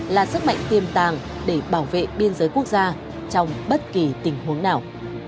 là sức mạnh tiềm tàng để bảo vệ biên giới quốc gia trong bất kỳ tình huống nào